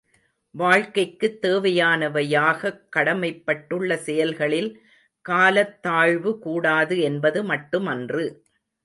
வாழ்க்கைக்குத் தேவையானவையாகக் கடமைப்பட்டுள்ள செயல்களில் காலத் தாழ்வு கூடாது என்பது மட்டு மன்று.